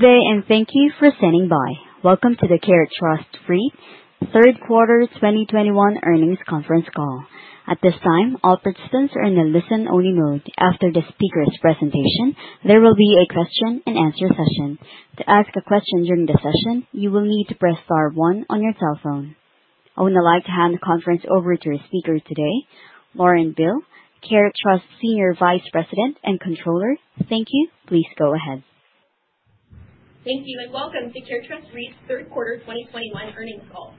Good day, and thank you for standing by. Welcome to the CareTrust REIT Q3 2021 earnings Conference Call. At this time, all participants are in a listen-only mode. After the speakers' presentation, there will be a question and answer session. To ask a question during the session, you will need to press star one on your telephone. I would now like to hand the conference over to our speaker today, Lauren Beale, CareTrust Senior Vice President and Controller. Thank you. Please go ahead. Thank you and welcome to CareTrust REIT's Q3 2021 earnings call.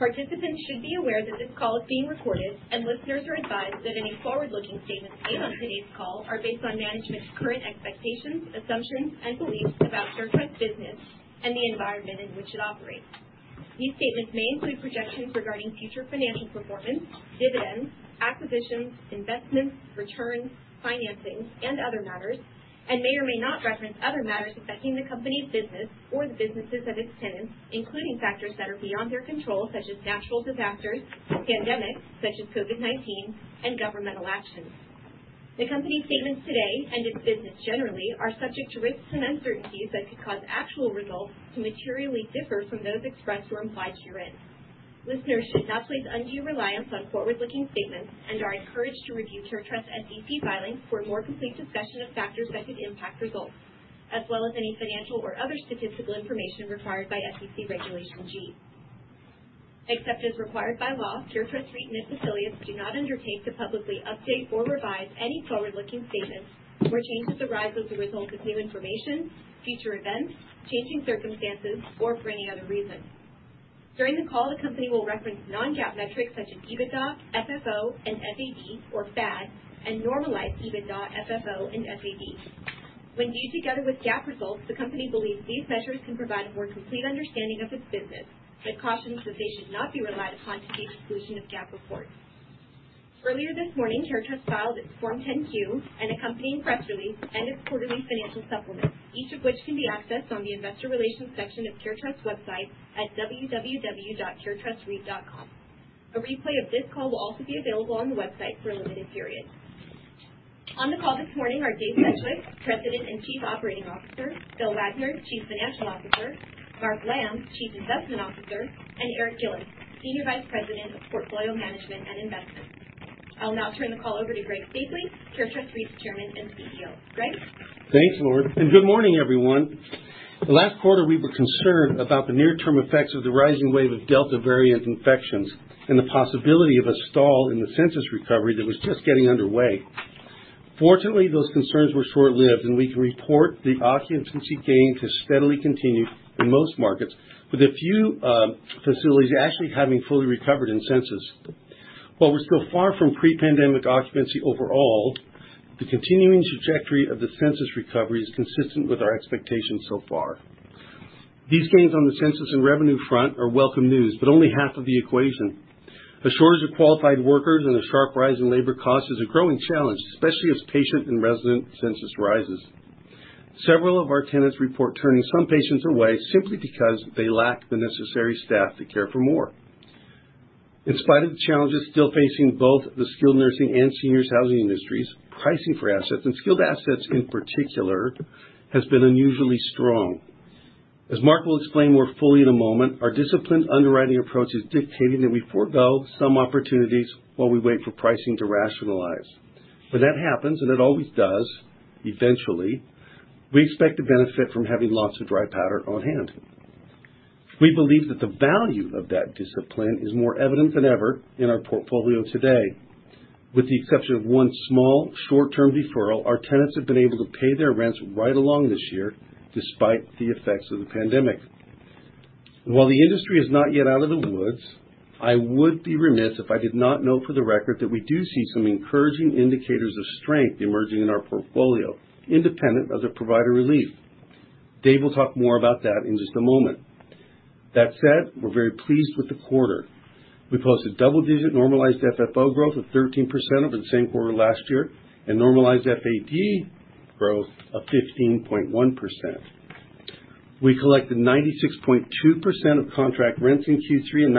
Participants should be aware that this call is being recorded and listeners are advised that any forward-looking statements made on today's call are based on management's current expectations, assumptions and beliefs about CareTrust's business and the environment in which it operates. These statements may include projections regarding future financial performance, dividends, acquisitions, investments, returns, financing and other matters, and may or may not reference other matters affecting the company's business or the businesses of its tenants, including factors that are beyond their control, such as natural disasters, pandemics such as COVID-19, and governmental actions. The company's statements today and its business generally are subject to risks and uncertainties that could cause actual results to materially differ from those expressed or implied herein. Listeners should not place undue reliance on forward-looking statements and are encouraged to review CareTrust's SEC filings for a more complete discussion of factors that could impact results, as well as any financial or other statistical information required by SEC Regulation G. Except as required by law, CareTrust REIT and its affiliates do not undertake to publicly update or revise any forward-looking statements where changes arise as a result of new information, future events, changing circumstances, or for any other reason. During the call, the company will reference non-GAAP metrics such as EBITDA, FFO and FAD or FAD and normalized EBITDA, FFO and FAD. When viewed together with GAAP results, the company believes these measures can provide a more complete understanding of its business, but cautions that they should not be relied upon in place of GAAP reports. Earlier this morning, CareTrust filed its Form 10-Q and accompanying press release and its quarterly financial supplement, each of which can be accessed on the investor relations section of CareTrust's website at www.caretrustreit.com. A replay of this call will also be available on the website for a limited period. On the call this morning are Dave Sedgwick, President and Chief Operating Officer, Bill Wagner, Chief Financial Officer, Mark Lamb, Chief Investment Officer, and Eric Gillis, Senior Vice President of Portfolio Management and Investment. I'll now turn the call over to Greg Stapley, CareTrust REIT's Chairman and CEO. Greg? Thanks, Lauren, and good morning, everyone. Last quarter, we were concerned about the near-term effects of the rising wave of Delta variant infections and the possibility of a stall in the census recovery that was just getting underway. Fortunately, those concerns were short-lived and we can report the occupancy gain has steadily continued in most markets, with a few facilities actually having fully recovered in census. While we're still far from pre-pandemic occupancy overall, the continuing trajectory of the census recovery is consistent with our expectations so far. These gains on the census and revenue front are welcome news, but only half of the equation. The shortage of qualified workers and the sharp rise in labor costs is a growing challenge, especially as patient and resident census rises. Several of our tenants report turning some patients away simply because they lack the necessary staff to care for more. In spite of the challenges still facing both the skilled nursing and seniors housing industries, pricing for assets and skilled assets in particular, has been unusually strong. As Mark will explain more fully in a moment, our disciplined underwriting approach is dictating that we forego some opportunities while we wait for pricing to rationalize. When that happens, and it always does, eventually, we expect to benefit from having lots of dry powder on-hand. We believe that the value of that discipline is more evident than ever in our portfolio today. With the exception of one small short-term deferral, our tenants have been able to pay their rents right along this year despite the effects of the pandemic. While the industry is not yet out of the woods, I would be remiss if I did not note for the record that we do see some encouraging indicators of strength emerging in our portfolio independent of the provider relief. Dave will talk more about that in just a moment. That said, we're very pleased with the quarter. We posted double-digit normalized FFO growth of 13% over the same quarter last year, and normalized FAD growth of 15.1%. We collected 96.2% of contract rents in Q3 and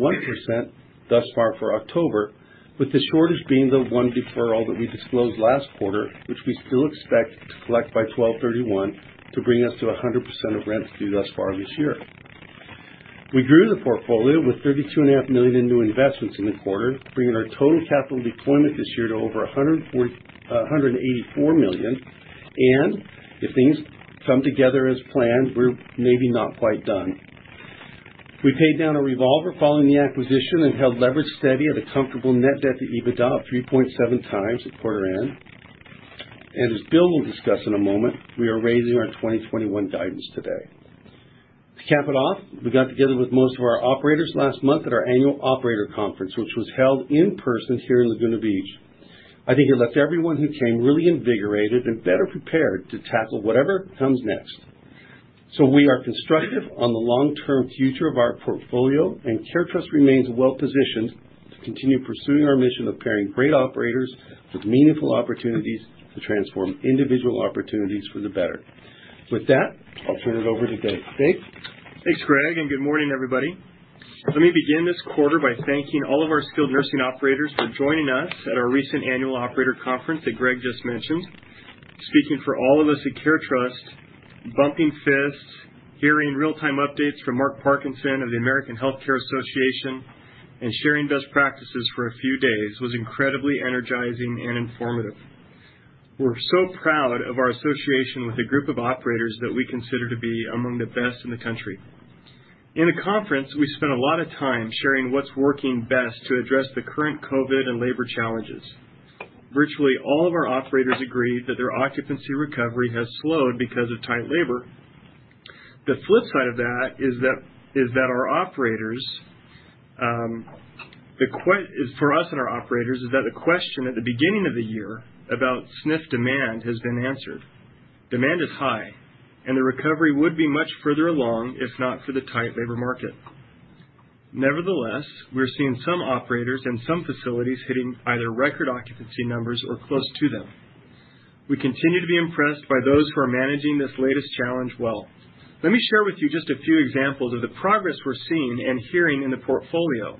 96.1% thus far for October, with the shortage being the one deferral that we disclosed last quarter, which we still expect to collect by 12/31 to bring us to 100% of rents due thus far this year. We grew the portfolio with $32 and a half million in new investments in the quarter, bringing our total capital deployment this year to over $184 million, and if things come together as planned, we're maybe not quite done. We paid down a revolver following the acquisition and held leverage steady at a comfortable net debt to EBITDA of 3.7 times at quarter end. As Bill will discuss in a moment, we are raising our 2021 guidance today. To cap it off, we got together with most of our operators last month at our annual operator conference, which was held in person here in Laguna Beach. I think it left everyone who came really invigorated and better prepared to tackle whatever comes next. We are constructive on the long-term future of our portfolio, and CareTrust remains well positioned to continue pursuing our mission of pairing great operators with meaningful opportunities to transform individual opportunities for the better. With that, I'll turn it over to Dave. Dave? Thanks, Greg, and good morning, everybody. Let me begin this quarter by thanking all of our skilled nursing operators for joining us at our recent annual operator conference that Greg just mentioned. Speaking for all of us at CareTrust, bumping fists, hearing real-time updates from Mark Parkinson of the American Health Care Association, and sharing best practices for a few days was incredibly energizing and informative. We're so proud of our association with a group of operators that we consider to be among the best in the country. In the conference, we spent a lot of time sharing what's working best to address the current COVID and labor challenges. Virtually all of our operators agree that their occupancy recovery has slowed because of tight labor. The flip side of that is that the key for us and our operators is that the question at the beginning of the year about SNF demand has been answered. Demand is high, and the recovery would be much further along if not for the tight labor market. Nevertheless, we're seeing some operators and some facilities hitting either record occupancy numbers or close to them. We continue to be impressed by those who are managing this latest challenge well. Let me share with you just a few examples of the progress we're seeing and hearing in the portfolio,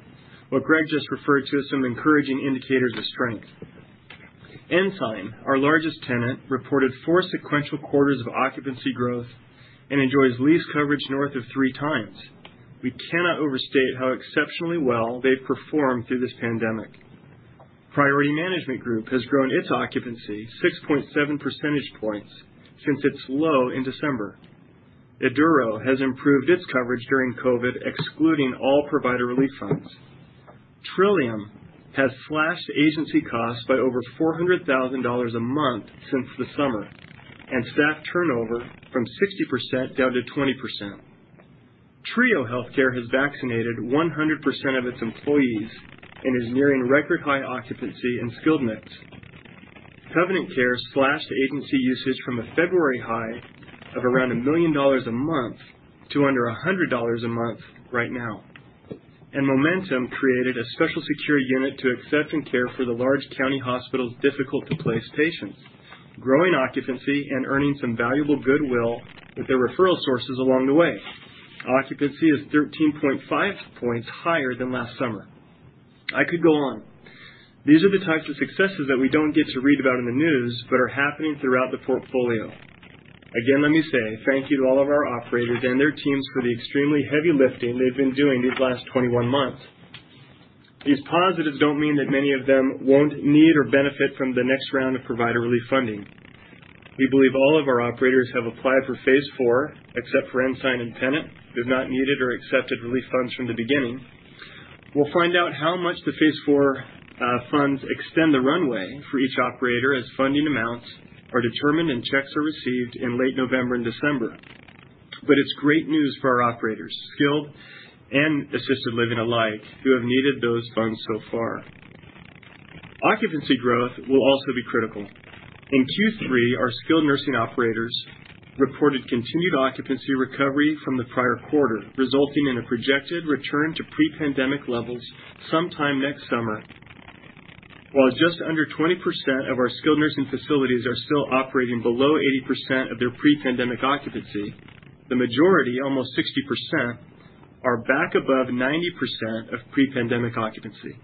what Greg just referred to as some encouraging indicators of strength. Ensign, our largest tenant, reported four sequential quarters of occupancy growth and enjoys lease coverage north of three times. We cannot overstate how exceptionally well they've performed through this pandemic. Priority Management Group has grown its occupancy 6.7 percentage points since its low in December. Eduro has improved its coverage during COVID, excluding all provider relief funds. Trillium has slashed agency costs by over $400,000 a month since the summer and staff turnover from 60% down to 20%. Trio Healthcare has vaccinated 100% of its employees and is nearing record high occupancy and skilled mix. Covenant Care slashed agency usage from a February high of around $1 million a month to under $100 a month right now. Momentum created a special secure unit to accept and care for the large county hospital's difficult-to-place patients, growing occupancy and earning some valuable goodwill with their referral sources along the way. Occupancy is 13.5 points higher than last summer. I could go on. These are the types of successes that we don't get to read about in the news, but are happening throughout the portfolio. Again, let me say thank you to all of our operators and their teams for the extremely heavy lifting they've been doing these last 21 months. These positives don't mean that many of them won't need or benefit from the next round of provider relief funding. We believe all of our operators have applied for phase four, except for Ensign and Tenet, who have not needed or accepted relief funds from the beginning. We'll find out how much the phase four funds extend the runway for each operator as funding amounts are determined and checks are received in late November and December. It's great news for our operators, skilled and assisted living alike, who have needed those funds so far. Occupancy growth will also be critical. In Q3, our skilled nursing operators reported continued occupancy recovery from the prior quarter, resulting in a projected return to pre-pandemic levels sometime next summer. While just under 20% of our skilled nursing facilities are still operating below 80% of their pre-pandemic occupancy, the majority, almost 60%, are back above 90% of pre-pandemic occupancy.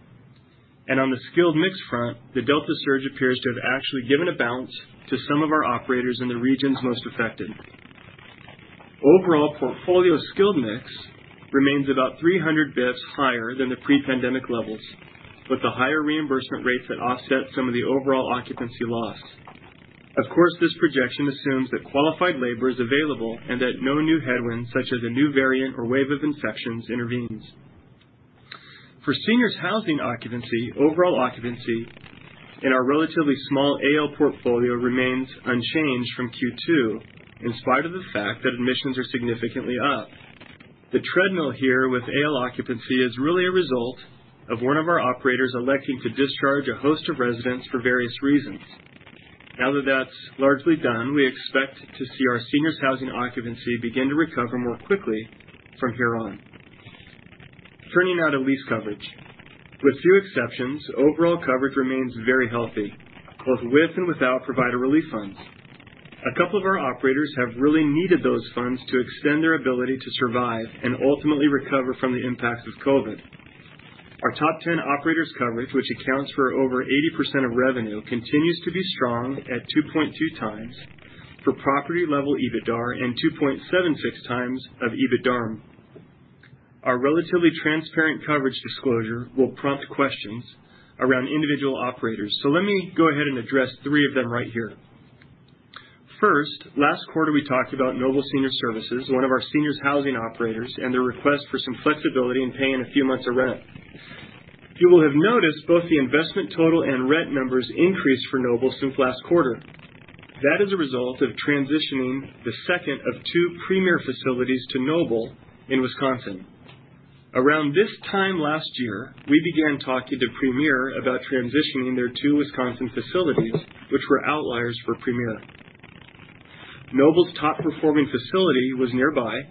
On the skilled mix front, the Delta surge appears to have actually given a balance to some of our operators in the regions most affected. Overall portfolio skilled mix remains about 300 bps higher than the pre-pandemic levels, with the higher reimbursement rates that offset some of the overall occupancy loss. Of course, this projection assumes that qualified labor is available and that no new headwinds, such as a new variant or wave of infections, intervenes. For seniors housing occupancy, overall occupancy in our relatively small AL portfolio remains unchanged from Q2, in spite of the fact that admissions are significantly up. The treadmill here with AL occupancy is really a result of one of our operators electing to discharge a host of residents for various reasons. Now that that's largely done, we expect to see our seniors housing occupancy begin to recover more quickly from here on. Turning now to lease coverage. With few exceptions, overall coverage remains very healthy, both with and without provider relief funds. A couple of our operators have really needed those funds to extend their ability to survive and ultimately recover from the impacts of COVID. Our top 10 operators coverage, which accounts for over 80% of revenue, continues to be strong at 2.2x for property-level EBITDAR and 2.76x of EBITDARM. Our relatively transparent coverage disclosure will prompt questions around individual operators. Let me go ahead and address three of them right here. First, last quarter, we talked about Noble Senior Services, one of our seniors housing operators, and their request for some flexibility in paying a few months of rent. You will have noticed both the investment total and rent numbers increased for Noble since last quarter. That is a result of transitioning the second of two Premier facilities to Noble in Wisconsin. Around this time last year, we began talking to Premier about transitioning their two Wisconsin facilities, which were outliers for Premier. Noble's top-performing facility was nearby,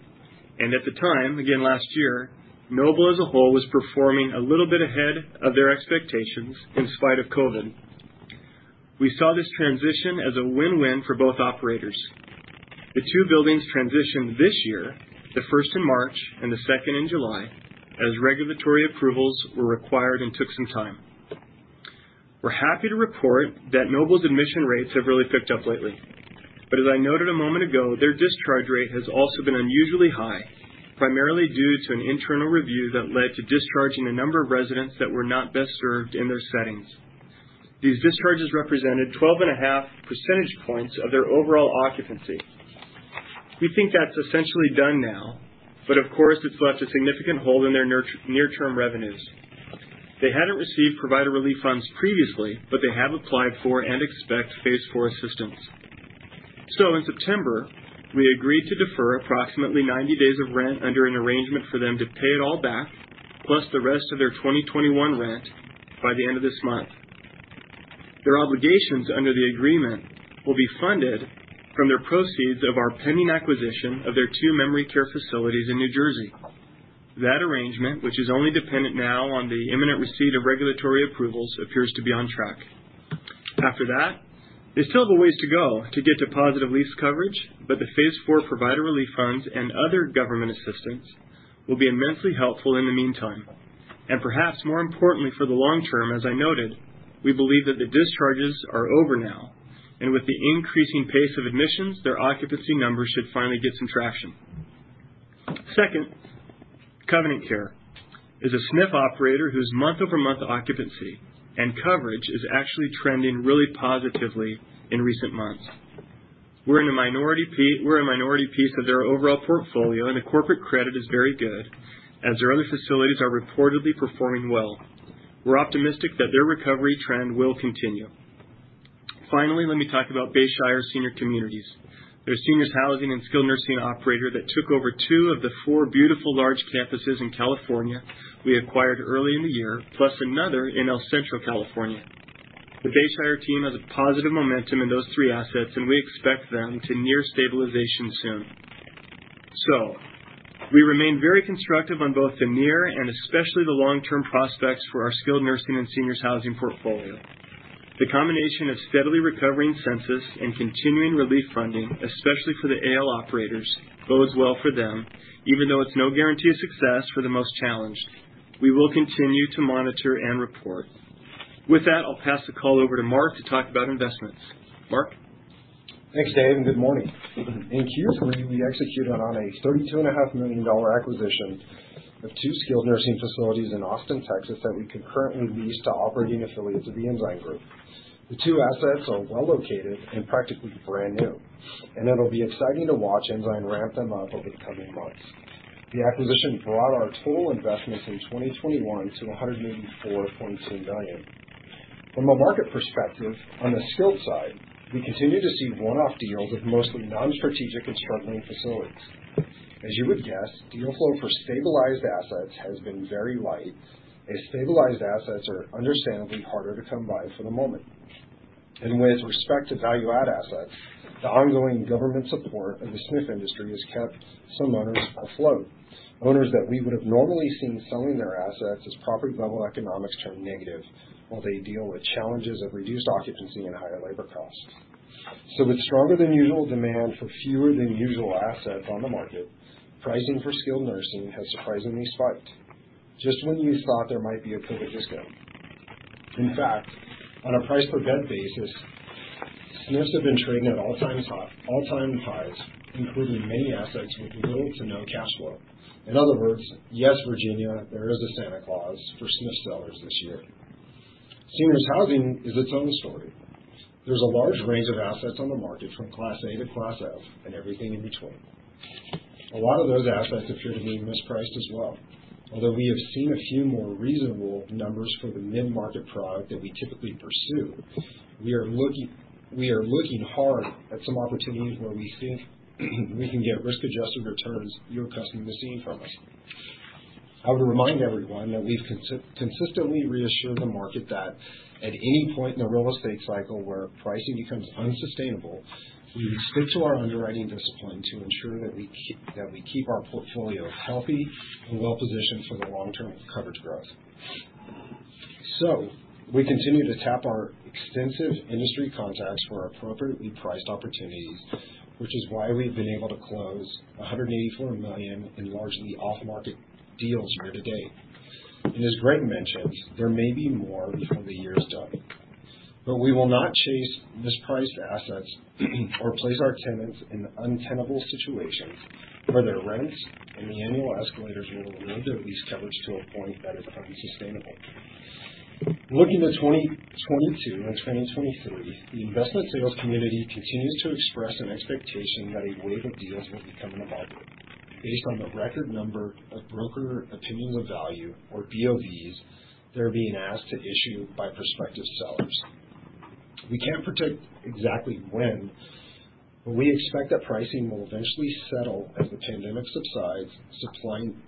and at the time, again, last year, Noble as a whole was performing a little bit ahead of their expectations in spite of COVID. We saw this transition as a win-win for both operators. The two buildings transitioned this year, the first in March and the second in July, as regulatory approvals were required and took some time. We're happy to report that Noble's admission rates have really picked up lately, but as I noted a moment ago, their discharge rate has also been unusually high, primarily due to an internal review that led to discharging a number of residents that were not best served in their settings. These discharges represented 12.5 percentage points of their overall occupancy. We think that's essentially done now, but of course, it's left a significant hole in their near-term revenues. They hadn't received provider relief funds previously, but they have applied for and expect phase four assistance. In September, we agreed to defer approximately 90 days of rent under an arrangement for them to pay it all back, plus the rest of their 2021 rent by the end of this month. Their obligations under the agreement will be funded from their proceeds of our pending acquisition of their 2 memory care facilities in New Jersey. That arrangement, which is only dependent now on the imminent receipt of regulatory approvals, appears to be on track. After that, they still have a ways to go to get to positive lease coverage, but the phase four Provider Relief Funds and other government assistance will be immensely helpful in the meantime. Perhaps more importantly for the long-term, as I noted, we believe that the discharges are over now, and with the increasing pace of admissions, their occupancy numbers should finally get some traction. Second, Covenant Care is a SNF operator whose month-over-month occupancy and coverage is actually trending really positively in recent months. We're in a minority piece of their overall portfolio, and the corporate credit is very good as their other facilities are reportedly performing well. We're optimistic that their recovery trend will continue. Finally, let me talk about Bayshire Senior Communities. They're a seniors housing and skilled nursing operator that took over 2 of the 4 beautiful large campuses in California we acquired early in the year, plus another in El Centro, California. The Bayshire team has a positive momentum in those 3 assets, and we expect them to near stabilization soon. We remain very constructive on both the near and especially the long-term prospects for our skilled nursing and seniors housing portfolio. The combination of steadily recovering census and continuing relief funding, especially for the AL operators, bodes well for them, even though it's no guarantee of success for the most challenged. We will continue to monitor and report. With that, I'll pass the call over to Mark to talk about investments. Mark? Thanks, Dave, and good morning. In Q3, we executed on a $32.5 million acquisition of 2 skilled nursing facilities in Austin, Texas, that we concurrently leased to operating affiliates of the Ensign Group. The 2 assets are well-located and practically brand new, and it'll be exciting to watch Ensign ramp them up over the coming months. The acquisition brought our total investments in 2021 to $184.2 million. From a market perspective, on the skilled side, we continue to see one-off deals of mostly non-strategic and struggling facilities. As you would guess, deal flow for stabilized assets has been very light, as stabilized assets are understandably harder to come by for the moment. With respect to value add assets, the ongoing government support of the SNF industry has kept some owners afloat, owners that we would have normally seen selling their assets as property level economics turn negative while they deal with challenges of reduced occupancy and higher labor costs. With stronger than usual demand for fewer than usual assets on the market, pricing for skilled nursing has surprisingly spiked just when you thought there might be a pivot to discount. In fact, on a price per bed basis, SNFs have been trading at all-time high, all-time highs, including many assets with little to no cash flow. In other words, yes, Virginia, there is a Santa Claus for SNF sellers this year. Seniors housing is its own story. There's a large range of assets on the market, from Class A to Class F and everything in between. A lot of those assets appear to be mispriced as well. Although we have seen a few more reasonable numbers for the mid-market product that we typically pursue, we are looking hard at some opportunities where we think we can get risk-adjusted returns you're accustomed to seeing from us. I would remind everyone that we've consistently reassured the market that at any point in the real estate cycle where pricing becomes unsustainable, we stick to our underwriting discipline to ensure that we keep our portfolio healthy and well positioned for the long-term coverage growth. We continue to tap our extensive industry contacts for appropriately priced opportunities, which is why we've been able to close $184 million in largely off-market deals year to date. As Greg mentioned, there may be more before the year is done. We will not chase mispriced assets or place our tenants in untenable situations where their rents and the annual escalators will amend their lease coverage to a point that is unsustainable. Looking to 2022 and 2023, the investment sales community continues to express an expectation that a wave of deals will be coming about based on the record number of broker opinions of value, or BOVs, they're being asked to issue by prospective sellers. We can't predict exactly when, but we expect that pricing will eventually settle as the pandemic subsides,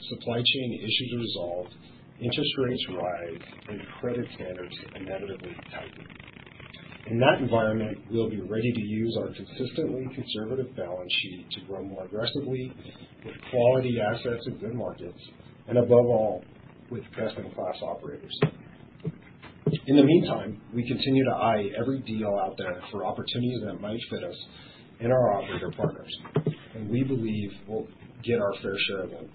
supply chain issues are resolved, interest rates rise, and credit standards inevitably tighten. In that environment, we'll be ready to use our consistently conservative balance sheet to grow more aggressively with quality assets in good markets and above all with best-in-class operators. In the meantime, we continue to eye every deal out there for opportunities that might fit us and our operator partners, and we believe we'll get our fair share of them.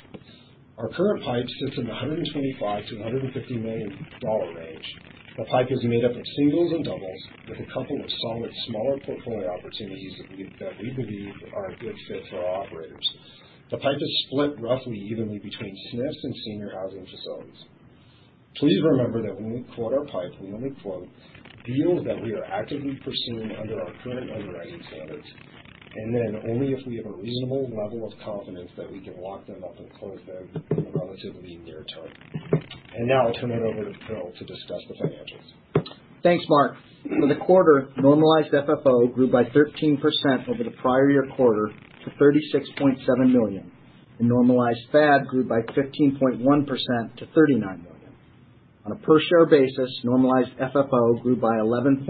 Our current pipe sits in the $125 million-$150 million range. The pipe is made up of singles and doubles with a couple of solid smaller portfolio opportunities that we believe are a good fit for our operators. The pipe is split roughly evenly between SNF and senior housing facilities. Please remember that when we quote our pipe, and when we quote deals that we are actively pursuing under our current underwriting standards, and then only if we have a reasonable level of confidence that we can lock them up and close them in a relatively near term. Now I'll turn it over to Bill to discuss the financials. Thanks, Mark. For the quarter, normalized FFO grew by 13% over the prior year quarter to $36.7 million. Normalized FAD grew by 15.1% to $39 million. On a per-share basis, normalized FFO grew by 11.8%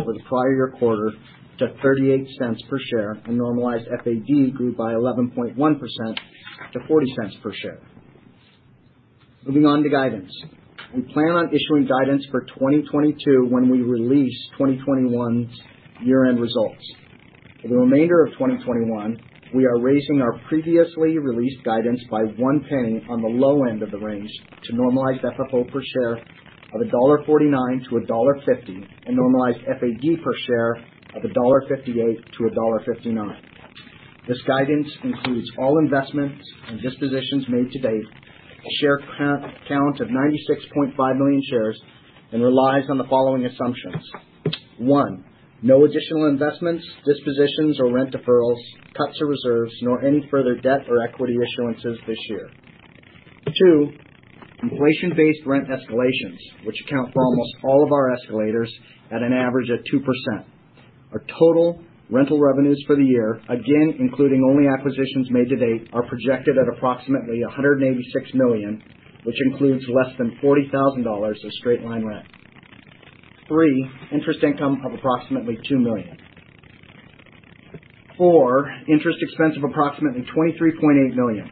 over the prior year quarter to $0.38 per share, and normalized FAD grew by 11.1% to $0.40 per share. Moving on to guidance. We plan on issuing guidance for 2022 when we release 2021's year-end results. For the remainder of 2021, we are raising our previously released guidance by 1 penny on the low-end of the range to normalized FFO per share of $1.49-$1.50, and normalized FAD per share of $1.58-$1.59. This guidance includes all investments and dispositions made to date, a share count of 96.5 million shares, and relies on the following assumptions. One, no additional investments, dispositions or rent deferrals, cuts or reserves, nor any further debt or equity issuances this year. Two, inflation-based rent escalations, which account for almost all of our escalators at an average of 2%. Our total rental revenues for the year, again including only acquisitions made to date, are projected at approximately $186 million, which includes less than $40,000 of straight-line rent. Three, interest income of approximately $2 million. Four, interest expense of approximately $23.8 million.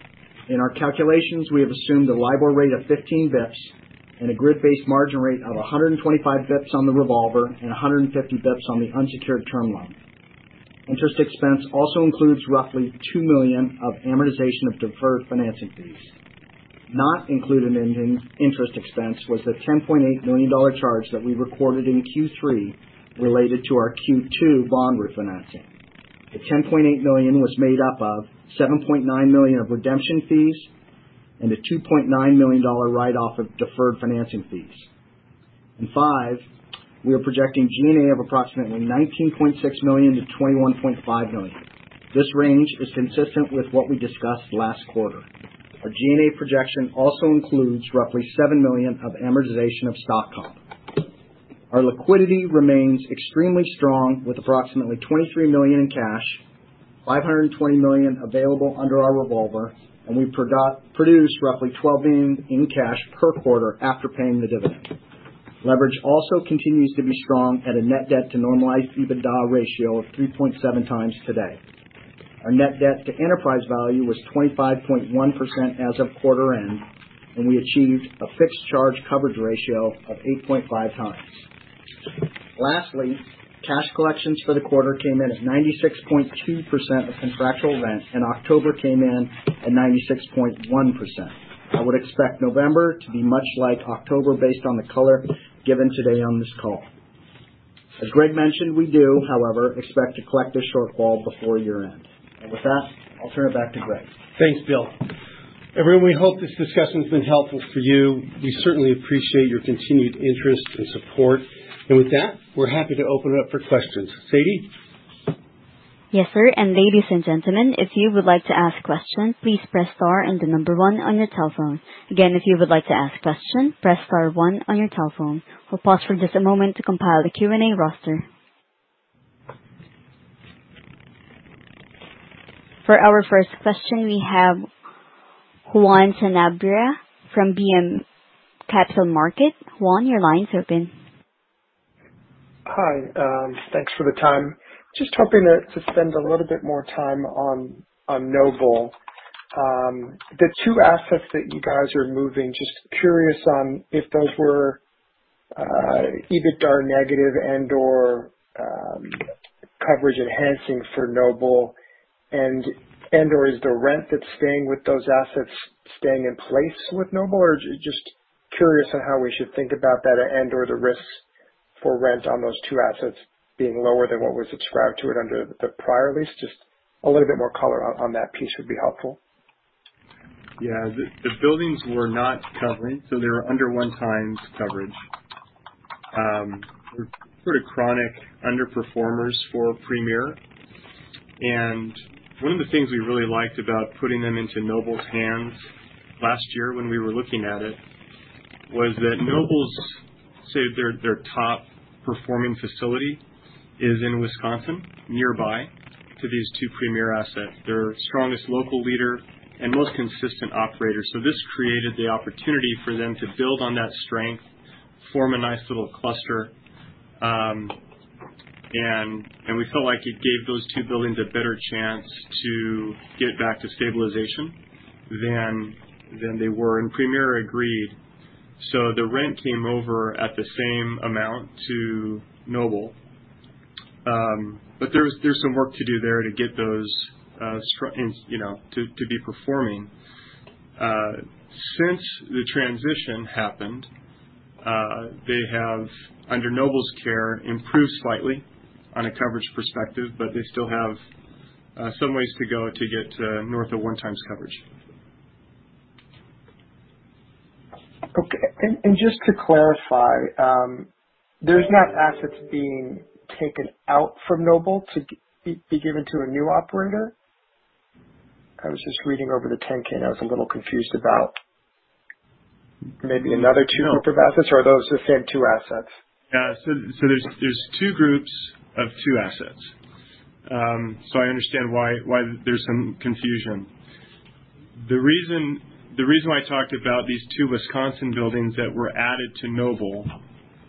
In our calculations, we have assumed a LIBOR rate of 15 bps and a grid-based margin rate of 125 bps on the revolver and 150 bps on the unsecured term loan. Interest expense also includes roughly $2 million of amortization of deferred financing fees. Not included in interest expense was the $10.8 million charge that we recorded in Q3 related to our Q2 bond refinancing. The $10.8 million was made up of $7.9 million of redemption fees and a $2.9 million write-off of deferred financing fees. Five, we are projecting G&A of approximately $19.6 million-$21.5 million. This range is consistent with what we discussed last quarter. Our G&A projection also includes roughly $7 million of amortization of stock comp. Our liquidity remains extremely strong with approximately $23 million in cash, $520 million available under our revolver, and we produced roughly $12 million in cash per quarter after paying the dividend. Leverage also continues to be strong at a net debt to normalized EBITDA ratio of 3.7x today. Our net debt to enterprise value was 25.1% as of quarter end, and we achieved a fixed charge coverage ratio of 8.5x. Lastly, cash collections for the quarter came in at 96.2% of contractual rent, and October came in at 96.1%. I would expect November to be much like October based on the color given today on this call. As Greg mentioned, we do, however, expect to collect a shortfall before year-end. With that, I'll turn it back to Greg. Thanks, Bill. Everyone, we hope this discussion's been helpful for you. We certainly appreciate your continued interest and support. With that, we're happy to open it up for questions. Sadie? Yes, sir. Ladies and gentlemen, if you would like to ask questions, please press star and the number one on your telephone. Again, if you would like to ask questions, press star one on your telephone. We'll pause for just a moment to compile the Q&A roster. For our first question, we have Juan Sanabria from BMO Capital Markets. Juan, your line's open. Hi. Thanks for the time. Just hoping to spend a little bit more time on Noble. The two assets that you guys are moving, just curious on if those were EBITDA negative and/or coverage enhancing for Noble and/or is the rent that's staying with those assets staying in place with Noble? Or just curious on how we should think about that and/or the risks for rent on those two assets being lower than what was subscribed to it under the prior lease? Just a little bit more color on that piece would be helpful. The buildings were not covering, so they were under 1x coverage. Sort of chronic underperformers for Premier. One of the things we really liked about putting them into Noble's hands last year when we were looking at it was that Noble's, say, their top performing facility is in Wisconsin, nearby to these 2 Premier assets. They're our strongest local leader and most consistent operator. This created the opportunity for them to build on that strength, form a nice little cluster. We felt like it gave those two buildings a better chance to get back to stabilization than they were. Premier agreed. The rent came over at the same amount to Noble. There's some work to do there to get those, you know, to be performing. Since the transition happened, they have, under Noble's care, improved slightly on a coverage perspective, but they still have some ways to go to get north of one times coverage. Okay. Just to clarify, there's not assets being taken out from Noble to be given to a new operator? I was just reading over the 10-K and I was a little confused about maybe another two groups of assets or are those the same two assets? Yeah. There's two groups of two assets. I understand why there's some confusion. The reason why I talked about these two Wisconsin buildings that were added to Noble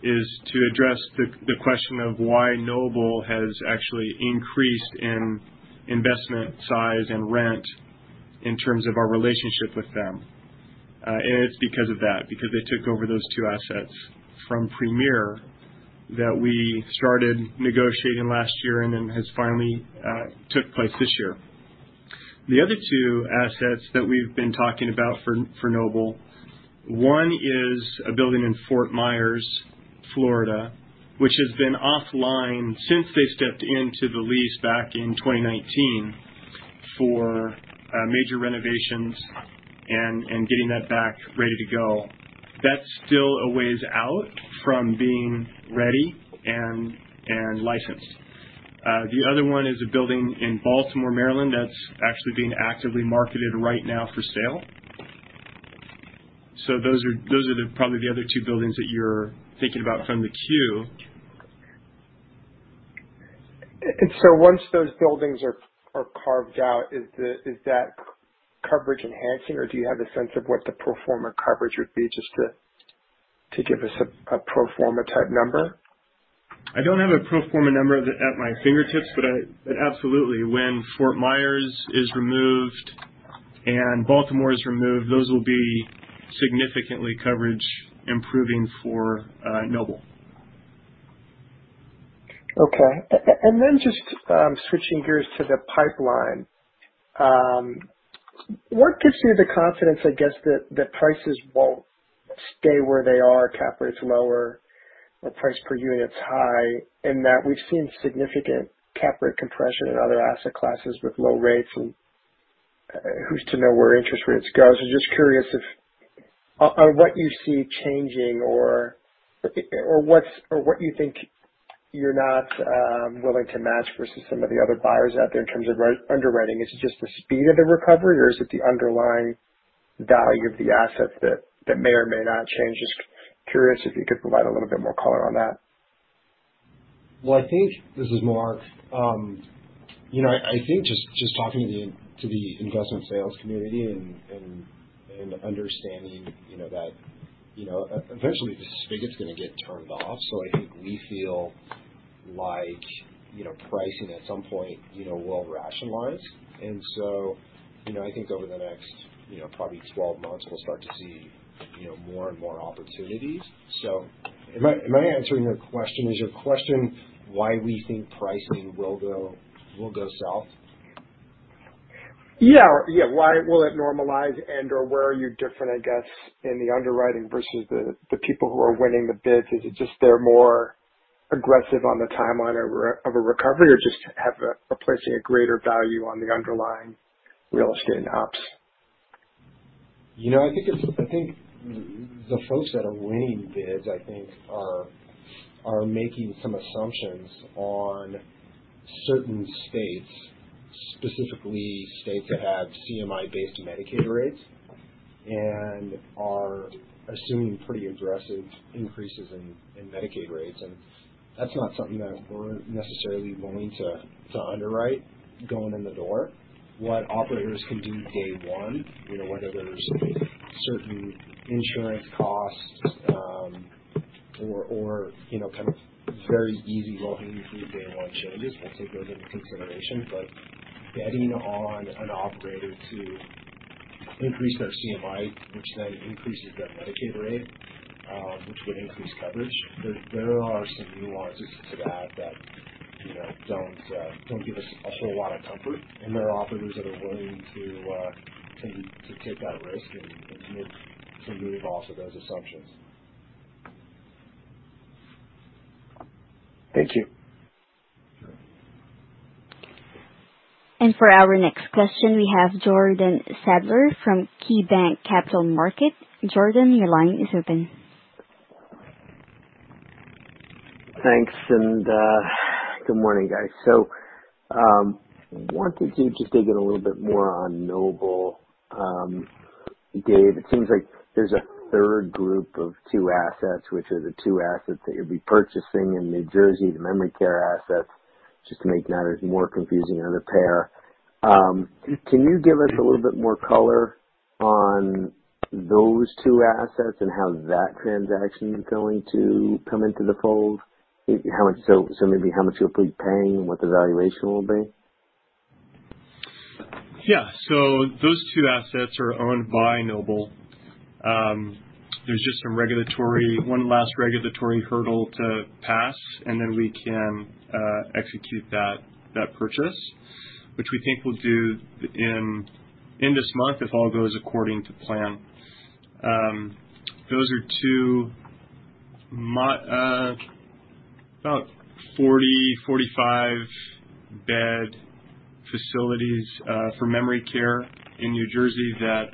is to address the question of why Noble has actually increased in investment size and rent in terms of our relationship with them. It's because of that, because they took over those two assets from Premier that we started negotiating last year and then has finally took place this year. The other two assets that we've been talking about for Noble, one is a building in Fort Myers, Florida, which has been offline since they stepped into the lease back in 2019 for major renovations and getting that back ready to go. That's still a ways out from being ready and licensed. The other one is a building in Baltimore, Maryland, that's actually being actively marketed right now for sale. Those are probably the other two buildings that you're thinking about from the queue. Once those buildings are carved out, is that coverage enhancing or do you have a sense of what the pro forma coverage would be just to give us a pro forma type number? I don't have a pro forma number at my fingertips, but I absolutely. When Fort Myers is removed and Baltimore is removed, those will be significantly coverage improving for Noble. Okay. Just switching gears to the pipeline. What gives you the confidence, I guess, that the prices won't stay where they are, cap rates lower or price per unit is high, and that we've seen significant cap rate compression in other asset classes with low rates and who's to know where interest rates go. Just curious if on what you see changing or what you think you're not willing to match versus some of the other buyers out there in terms of risk underwriting. Is it just the speed of the recovery or is it the underlying value of the assets that may or may not change? Just curious if you could provide a little bit more color on that. Well, I think this is Mark. You know, I think just talking to the investment sales community and understanding that eventually the spigot's gonna get turned off. I think we feel like pricing at some point will rationalize. I think over the next probably 12 months we'll start to see more and more opportunities. Am I answering your question? Is your question why we think pricing will go south? Yeah. Yeah. Why will it normalize and/or where are you different, I guess, in the underwriting versus the people who are winning the bids? Is it just they're more aggressive on the timeline of a recovery or just are placing a greater value on the underlying real estate and ops? You know, I think the folks that are winning bids are making some assumptions on certain states, specifically states that have CMI-based Medicaid rates and are assuming pretty aggressive increases in Medicaid rates. That's not something that we're necessarily willing to underwrite going in the door. What operators can do day one, you know, whether there's certain insurance costs, or you know, kind of very easy low hanging fruit day one changes, we'll take those into consideration. Getting on an operator to increase their CMI, which then increases their Medicaid rate, which would increase coverage, there are some nuances to that that you know don't give us a whole lot of comfort. There are operators that are willing to take that risk and commit to moving off of those assumptions. Thank you. Sure. For our next question, we have Jordan Sadler from KeyBanc Capital Markets. Jordan, your line is open. Thanks. Good morning, guys. Wanted to just dig in a little bit more on Noble. Dave, it seems like there's a third group of two assets, which are the two assets that you'll be purchasing in New Jersey, the memory care asset. Just to make matters more confusing on the pair. Can you give us a little bit more color on those two assets and how that transaction is going to come into the fold? How much, maybe how much you'll be paying and what the valuation will be? Yeah. Those two assets are owned by Noble. There's just one last regulatory hurdle to pass, and then we can execute that purchase. Which we think we'll do in this month if all goes according to plan. Those are two about 40-45-bed facilities for memory care in New Jersey that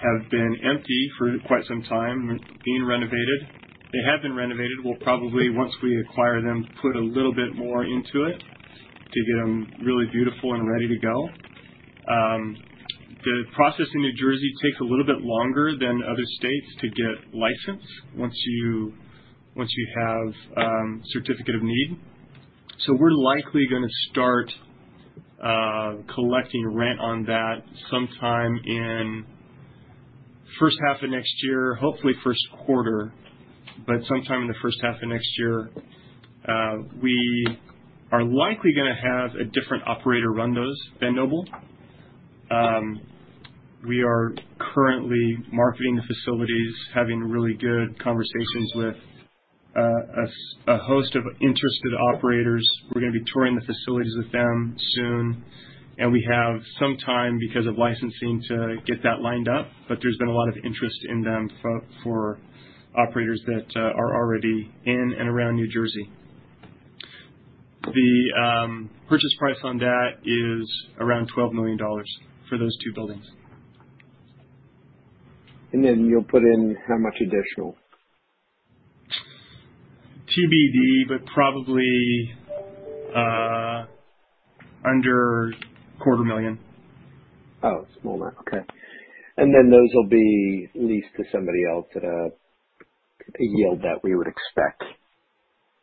have been empty for quite some time, being renovated. They have been renovated. We'll probably, once we acquire them, put a little bit more into it to get them really beautiful and ready to go. The process in New Jersey takes a little bit longer than other states to get licensed once you have Certificate of Need. We're likely gonna start collecting rent on that sometime in first half of next year, hopefully Q1, but sometime in the first half of next year. We are likely gonna have a different operator run those than Noble. We are currently marketing the facilities, having really good conversations with a host of interested operators. We're gonna be touring the facilities with them soon, and we have some time because of licensing to get that lined up, but there's been a lot of interest in them for operators that are already in and around New Jersey. The purchase price on that is around $12 million for those two buildings. Then you'll put in how much additional? TBD, but probably under a quarter million dollars. Oh, small amount. Okay. Those will be leased to somebody else at a yield that we would expect.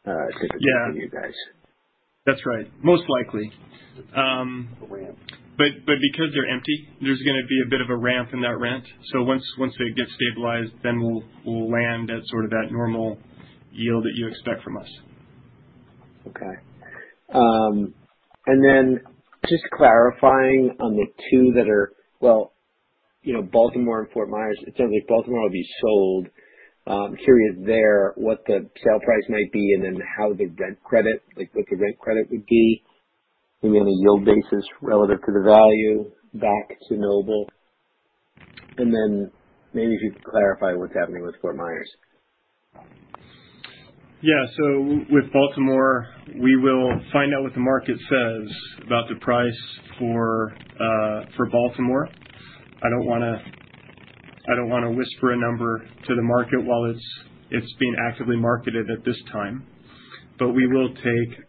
Yeah. To get from you guys. That's right. Most likely. A ramp. because they're empty, there's gonna be a bit of a ramp in that rent. Once they get stabilized, then we'll land at sort of that normal yield that you expect from us. Okay. Just clarifying on the two that are, well, you know, Baltimore and Fort Myers, it sounds like Baltimore will be sold. I'm curious there, what the sale price might be and then how the rent credit, like, what the rent credit would be on a yield basis relative to the value back to Noble. Maybe if you could clarify what's happening with Fort Myers. With Baltimore, we will find out what the market says about the price for Baltimore. I don't wanna whisper a number to the market while it's being actively marketed at this time. But we will take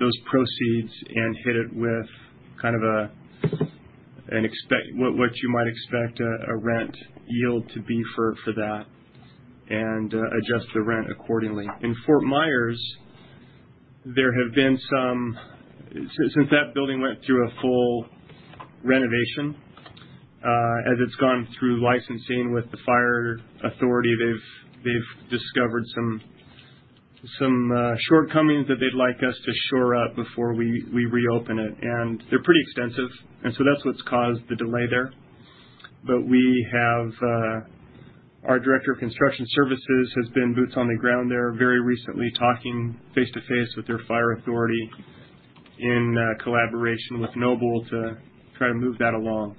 those proceeds and hit it with what you might expect a rent yield to be for that and adjust the rent accordingly. In Fort Myers, there have been some. Since that building went through a full renovation, as it's gone through licensing with the fire authority, they've discovered some shortcomings that they'd like us to shore up before we reopen it. They're pretty extensive, so that's what's caused the delay there. We have our director of construction services has been boots on the ground there very recently talking face-to-face with their fire authority in collaboration with Noble to try to move that along.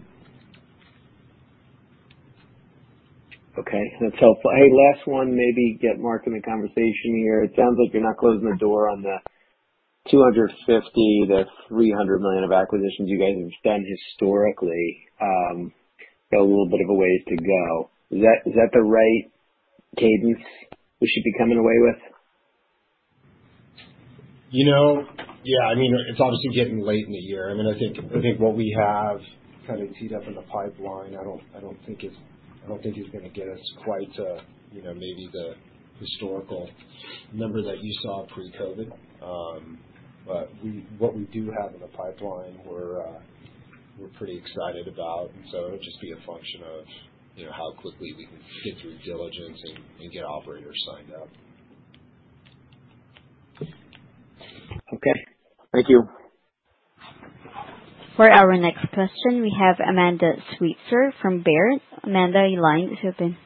Okay. That's helpful. Hey, last one. Maybe get Mark in the conversation here. It sounds like you're not closing the door on the $250 million-$300 million of acquisitions you guys have done historically. So a little bit of a ways to go. Is that the right cadence we should be coming away with? You know, yeah. I mean, it's obviously getting late in the year. I mean, I think what we have kind of teed up in the pipeline, I don't think it's gonna get us quite, you know, maybe the historical number that you saw pre-COVID. What we do have in the pipeline, we're pretty excited about. It'll just be a function of, you know, how quickly we can get through diligence and get operators signed up. Okay. Thank you. For our next question, we have Amanda Sweitzer from Baird. Amanda, your line is open.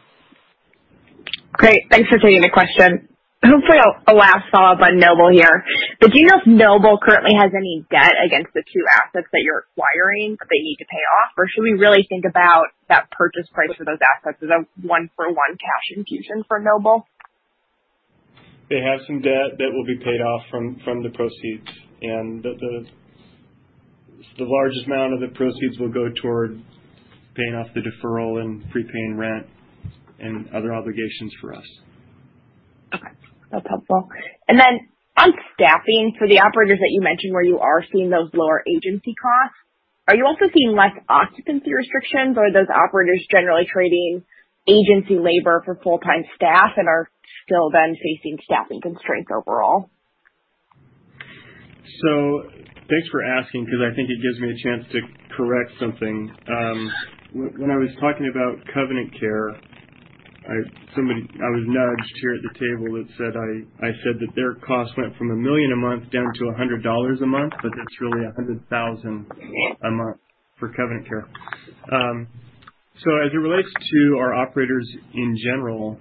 Great. Thanks for taking the question. Hopefully, last follow-up on Noble here. Do you know if Noble currently has any debt against the two assets that you're acquiring that they need to pay off? Or should we really think about that purchase price for those assets as a one-for-one cash infusion for Noble? They have some debt that will be paid off from the proceeds, and the largest amount of the proceeds will go toward paying off the deferral and prepaying rent and other obligations for us. Okay. That's helpful. On staffing for the operators that you mentioned where you are seeing those lower agency costs? Are you also seeing less occupancy restrictions, or are those operators generally trading agency labor for full-time staff and are still then facing staffing constraints overall? Thanks for asking, because I think it gives me a chance to correct something. When I was talking about Covenant Care, somebody nudged me here at the table and said I said that their cost went from $1 million a month down to $100 a month, but it's really $100,000 a month for Covenant Care. As it relates to our operators in general,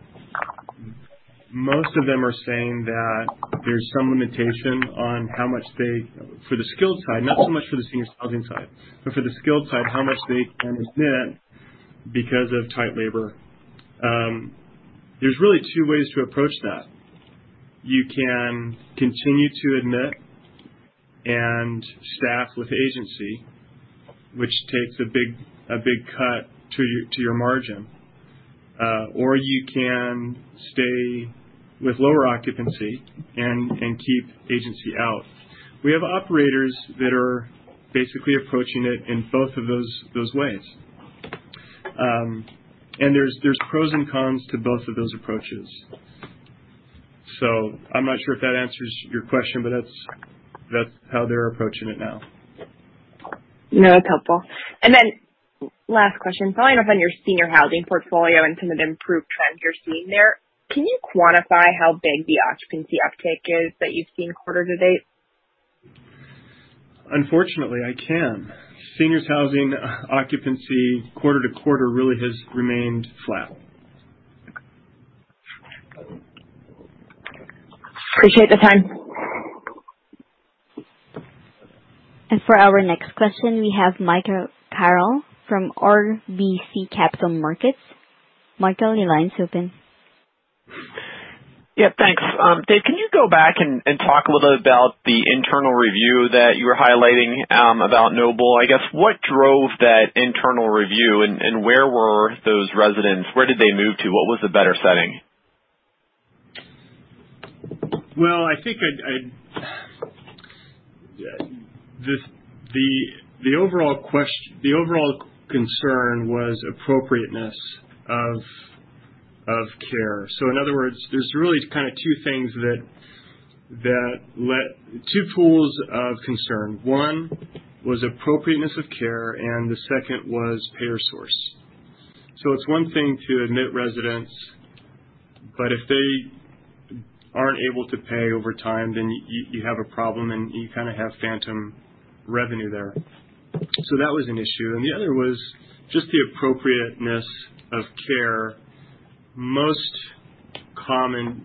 most of them are saying that there's some limitation on how much they can admit for the skilled side, not so much for the seniors housing side, but for the skilled side, because of tight labor. There's really two ways to approach that. You can continue to admit and staff with agency, which takes a big cut to your margin. You can stay with lower occupancy and keep agency out. We have operators that are basically approaching it in both of those ways. There's pros and cons to both of those approaches. I'm not sure if that answers your question, but that's how they're approaching it now. No, that's helpful. Last question. Following up on your senior housing portfolio and some of the improved trends you're seeing there, can you quantify how big the occupancy uptake is that you've seen quarter to date? Unfortunately, I can. Seniors housing occupancy quarter-to-quarter really has remained flat. Appreciate the time. For our next question, we have Michael Carroll from RBC Capital Markets. Michael, your line is open. Yeah, thanks. Dave, can you go back and talk a little bit about the internal review that you were highlighting about Noble? I guess, what drove that internal review and where were those residents? Where did they move to? What was the better setting? Well, I think the overall concern was appropriateness of care. In other words, there's really kind of two things, two pools of concern. One was appropriateness of care, and the second was payer source. It's one thing to admit residents, but if they aren't able to pay over time, then you have a problem and you kinda have phantom revenue there. That was an issue. The other was just the appropriateness of care, most common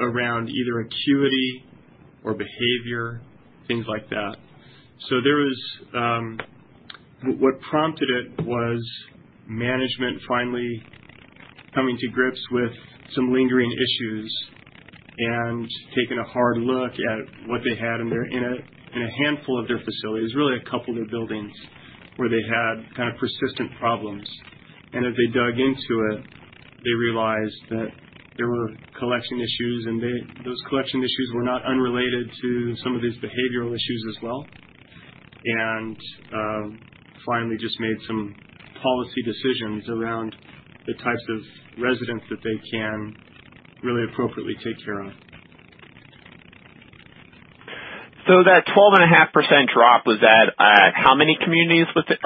around either acuity or behavior, things like that. What prompted it was management finally coming to grips with some lingering issues and taking a hard look at what they had in their, in a handful of their facilities, really a couple of their buildings, where they had kind of persistent problems. As they dug into it, they realized that there were collection issues, and those collection issues were not unrelated to some of these behavioral issues as well. Finally just made some policy decisions around the types of residents that they can really appropriately take care of. That 12.5% drop, was that how many communities within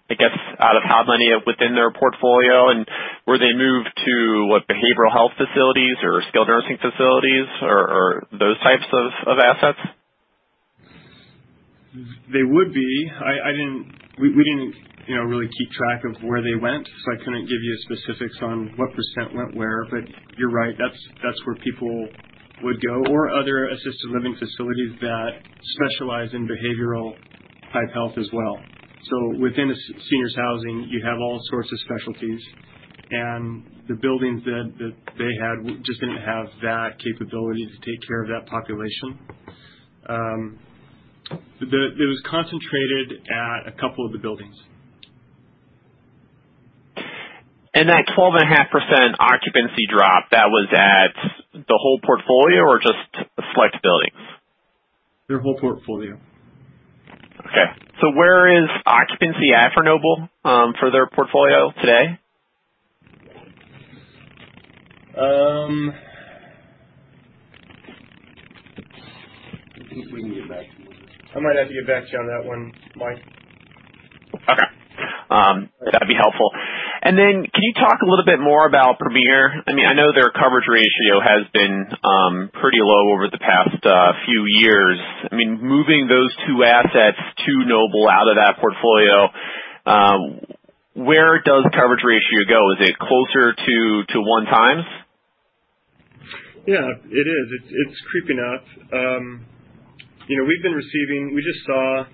their portfolio? And I guess out of how many within their portfolio? And were they moved to what, behavioral health facilities or skilled nursing facilities or those types of assets? They would be. I didn't—we didn't, you know, really keep track of where they went, so I couldn't give you specifics on what percent went where. But you're right, that's where people would go or other assisted living facilities that specialize in behavioral type health as well. So within the seniors housing, you have all sorts of specialties. The buildings that they had just didn't have that capability to take care of that population. It was concentrated at a couple of the buildings. That 12.5% occupancy drop, that was at the whole portfolio or just select buildings? Their whole portfolio. Okay. Where is occupancy at for Noble, for their portfolio today? I think we can get back to you. I might have to get back to you on that one, Mike. Okay. That'd be helpful. Then can you talk a little bit more about Premier? I mean, I know their coverage ratio has been pretty low over the past few years. I mean, moving those two assets to Noble out of that portfolio, where does coverage ratio go? Is it closer to one times? Yeah, it is. It's creeping up. You know, we just saw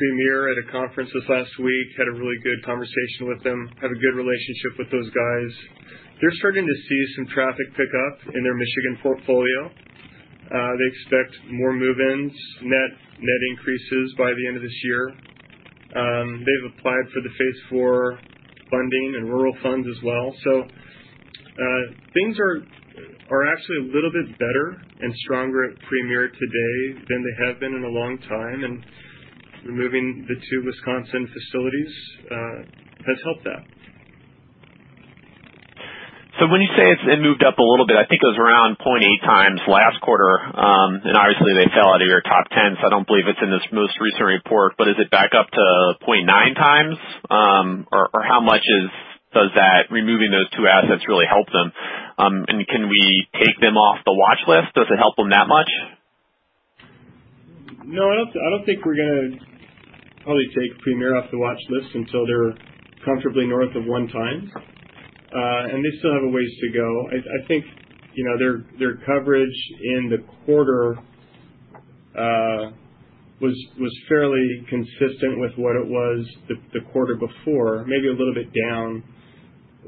Premier at a conference this last week. Had a really good conversation with them. Have a good relationship with those guys. They're starting to see some traffic pick up in their Michigan portfolio. They expect more move-ins, net increases by the end of this year. They've applied for the phase four funding and rural funds as well. Things are actually a little bit better and stronger at Premier today than they have been in a long time, and removing the two Wisconsin facilities has helped that. When you say it moved up a little bit, I think it was around 0.8 times last quarter, and obviously they fell out of your top ten, so I don't believe it's in this most recent report, but is it back up to 0.9 times? Or how much does removing those two assets really help them? And can we take them off the watch list? Does it help them that much? No, I don't think we're gonna probably take Premier off the watch list until they're comfortably north of 1x. They still have a ways to go. I think, you know, their coverage in the quarter was fairly consistent with what it was the quarter before, maybe a little bit down.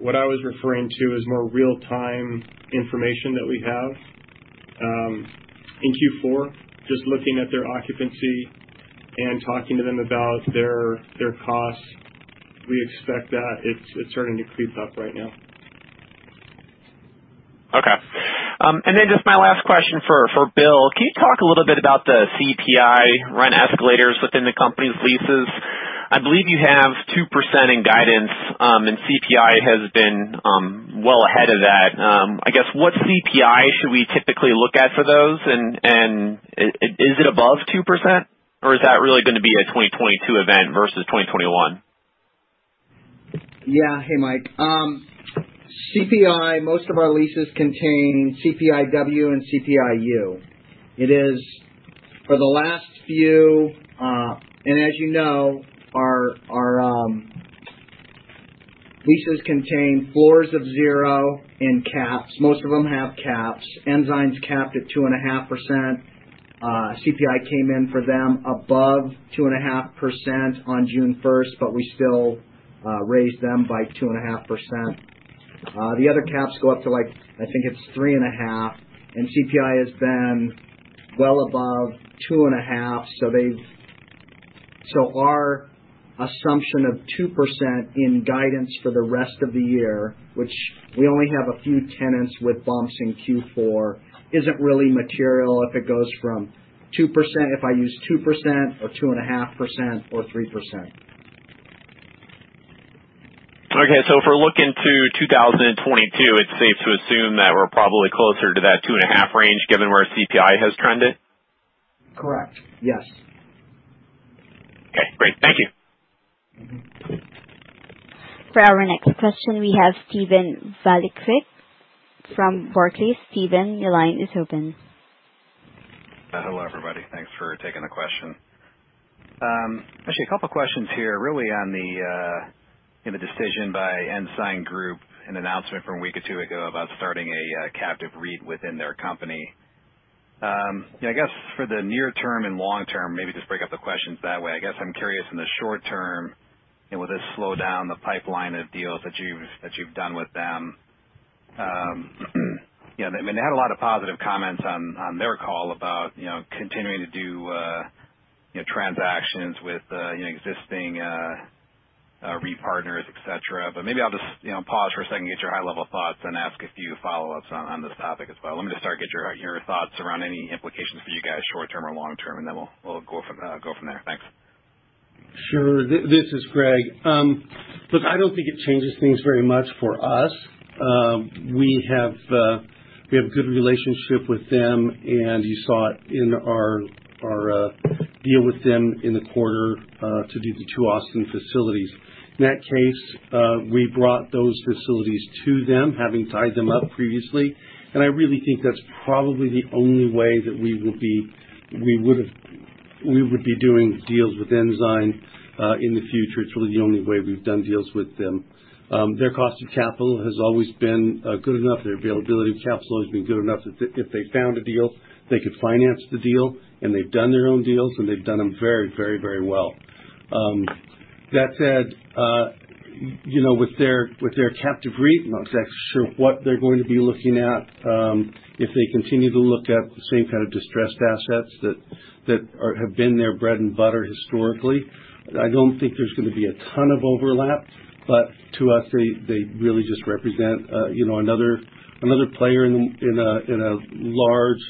What I was referring to is more real-time information that we have in Q4, just looking at their occupancy and talking to them about their costs. We expect that it's starting to creep up right now. Okay. And then just my last question for Bill. Can you talk a little bit about the CPI rent escalators within the company's leases? I believe you have 2% in guidance, and CPI has been well ahead of that. I guess, what CPI should we typically look at for those? And is it above 2% or is that really gonna be a 2022 event versus 2021? Yeah. Hey, Mike. CPI, most of our leases contain CPIW and CPIU. It is for the last few, and as you know, our leases contain floors of zero and caps. Most of them have caps. Ensign's capped at 2.5%. CPI came in for them above 2.5% on June 1, but we still raised them by 2.5%. The other caps go up to, like, I think it's 3.5, and CPI has been well above 2.5. So our assumption of 2% in guidance for the rest of the year, which we only have a few tenants with bumps in Q4, isn't really material if it goes from 2%. If I use 2% or 2.5% or 3%. Okay. If we're looking to 2022, it's safe to assume that we're probably closer to that 2.5 range given where CPI has trended. Correct. Yes. Okay, great. Thank you. Mm-hmm. For our next question, we have Steven Valiquette from Barclays. Steven, your line is open. Hello, everybody. Thanks for taking the question. Actually a couple questions here, really on the decision by Ensign Group, an announcement from a week or two ago about starting a captive REIT within their company. Yeah, I guess for the near term and long-term, maybe just break up the questions that way. I guess I'm curious in the short-term, you know, will this slow down the pipeline of deals that you've done with them? You know, I mean, they had a lot of positive comments on their call about, you know, continuing to do, you know, transactions with, you know, existing REIT partners, et cetera. Maybe I'll just, you know, pause for a second, get your high-level thoughts and ask a few follow-ups on this topic as well. Let me just start, get your thoughts around any implications for you guys short-term or long-term, and then we'll go from there. Thanks. Sure. This is Greg. Look, I don't think it changes things very much for us. We have a good relationship with them, and you saw it in our deal with them in the quarter to do the two Austin facilities. In that case, we brought those facilities to them, having tied them up previously, and I really think that's probably the only way that we would be doing deals with Ensign in the future. It's really the only way we've done deals with them. Their cost of capital has always been good enough. Their availability of capital has always been good enough that if they found a deal, they could finance the deal, and they've done their own deals, and they've done them very, very, very well. That said, you know, with their captive REIT, I'm not exactly sure what they're going to be looking at. If they continue to look at the same kind of distressed assets that have been their bread and butter historically, I don't think there's gonna be a ton of overlap. To us, they really just represent, you know, another player in a large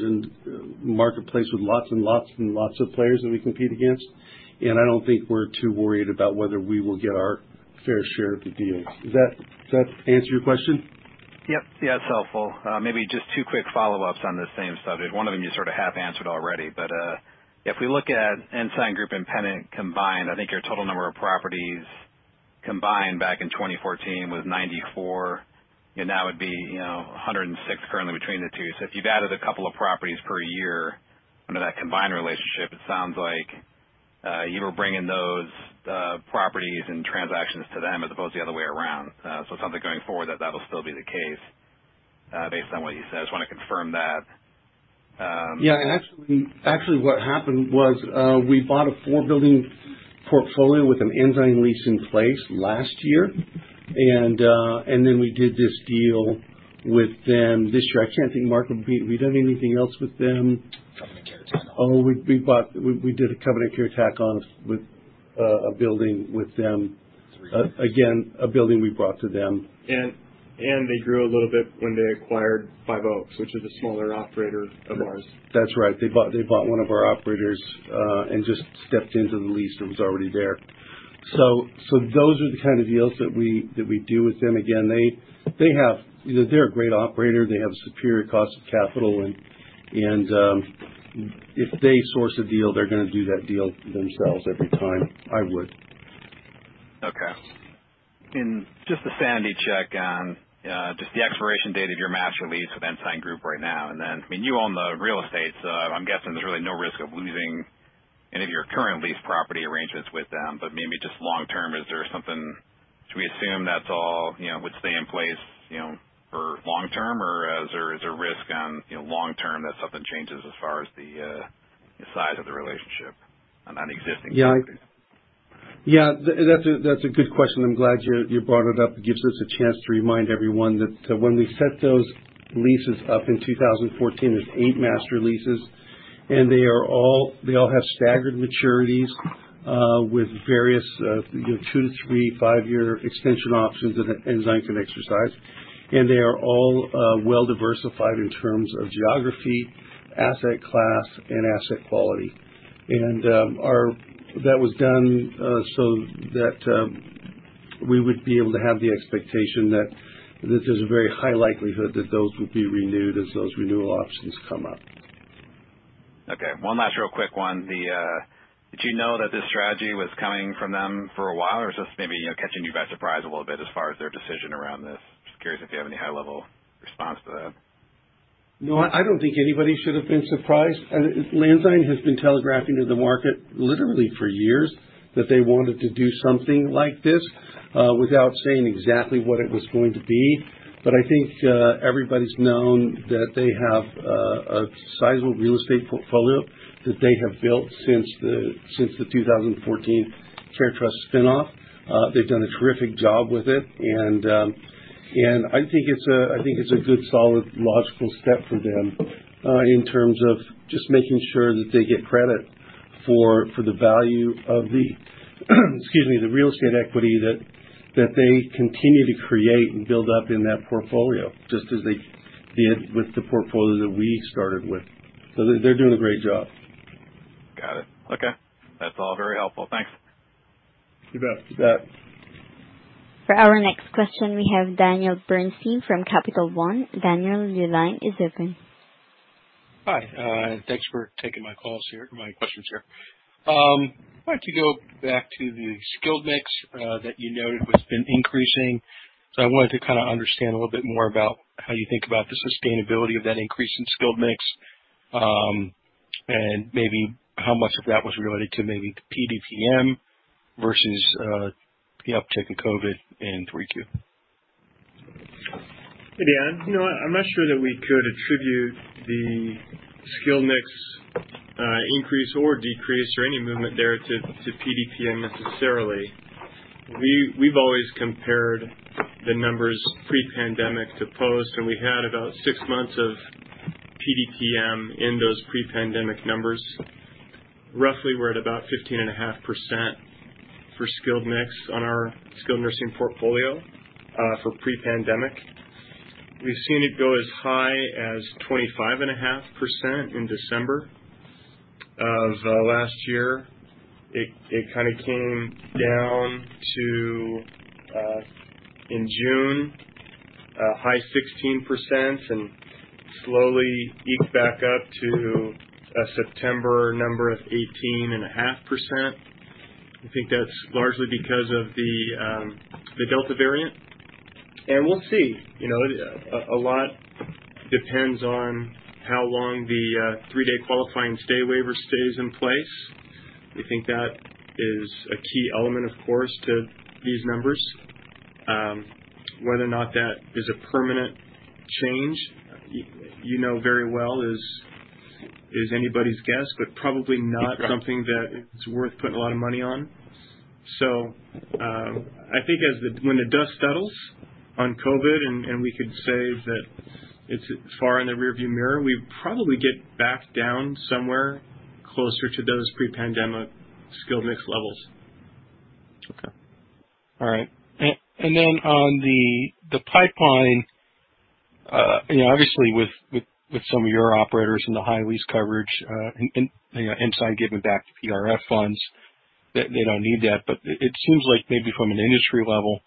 marketplace with lots of players that we compete against. I don't think we're too worried about whether we will get our fair share of the deals. Does that answer your question? Yep. Yeah, it's helpful. Maybe just two quick follow-ups on this same subject. One of them you sort of half-answered already. If we look at Ensign Group and Pennant combined, I think your total number of properties combined back in 2014 was 94, and that would be, you know, 106 currently between the two. If you've added a couple of properties per year under that combined relationship, it sounds like you were bringing those properties and transactions to them as opposed to the other way around. It's something going forward that that'll still be the case based on what you said. I just wanna confirm that. Yeah. Actually, what happened was, we bought a four-building portfolio with an Ensign lease in place last year, and then we did this deal with them this year. I can't think, Mark, have we done anything else with them? Covenant Care tack on. Oh, we bought—we did a Covenant Care tack-on with a building with them. Again, a building we brought to them. They grew a little bit when they acquired Five Oaks, which is a smaller operator of ours. That's right. They bought one of our operators and just stepped into the lease that was already there. Those are the kind of deals that we do with them. Again, you know, they're a great operator. They have superior cost of capital and if they source a deal, they're gonna do that deal themselves every time. I would. Okay. Just a sanity check on just the expiration date of your master lease with Ensign Group right now and then. I mean, you own the real estate, so I'm guessing there's really no risk of losing any of your current lease property arrangements with them. Maybe just long-term, is there something. Do we assume that's all, you know, would stay in place, you know, for long-term or is there risk on, you know, long-term that something changes as far as the the size of the relationship on that existing- Yeah, that's a good question. I'm glad you brought it up. It gives us a chance to remind everyone that when we set those leases up in 2014, there's 8 master leases, and they all have staggered maturities with various, you know, 2- to 3-, 5-year extension options that Ensign can exercise. They are all well diversified in terms of geography, asset class, and asset quality. That was done so that we would be able to have the expectation that there's a very high likelihood that those will be renewed as those renewal options come up. Okay, one last real quick one. Did you know that this strategy was coming from them for a while, or is this maybe, you know, catching you by surprise a little bit as far as their decision around this? Just curious if you have any high-level response to that. No, I don't think anybody should have been surprised. Ensign has been telegraphing to the market literally for years that they wanted to do something like this, without saying exactly what it was going to be. I think everybody's known that they have a sizable real estate portfolio that they have built since the 2014 CareTrust spin off. They've done a terrific job with it. I think it's a good, solid, logical step for them in terms of just making sure that they get credit for the value of the real estate equity that they continue to create and build up in that portfolio, just as they did with the portfolio that we started with. They're doing a great job. Got it. Okay, that's all very helpful. Thanks. You bet. You bet. For our next question, we have Daniel Bernstein from Capital One. Daniel, your line is open. Hi, thanks for taking my calls here, my questions here. I wanted to go back to the skilled mix that you noted has been increasing. I wanted to kinda understand a little bit more about how you think about the sustainability of that increase in skilled mix, and maybe how much of that was related to maybe PDPM versus the uptick in COVID in 3Q. Hey, Dan. You know, I'm not sure that we could attribute the skilled mix increase or decrease or any movement there to PDPM necessarily. We've always compared the numbers pre-pandemic to post, and we had about six months of PDPM in those pre-pandemic numbers. Roughly, we're at about 15.5% for skilled mix on our skilled nursing portfolio for pre-pandemic. We've seen it go as high as 25.5% in December of last year. It kinda came down to in June, a high 16% and slowly eked back up to a September number of 18.5%. I think that's largely because of the Delta variant. We'll see. You know, a lot depends on how long the three-day qualifying stay waiver stays in place. We think that is a key element, of course, to these numbers. Whether or not that is a permanent change, you know very well is anybody's guess, but probably not something that is worth putting a lot of money on. I think when the dust settles on COVID and we can say that it's far in the rearview mirror, we probably get back down somewhere closer to those pre-pandemic skilled mix levels. Okay. All right. On the pipeline, you know, obviously with some of your operators and the high lease coverage, and you know, Ensign giving back PRF funds, they don't need that. It seems like maybe from an industry level,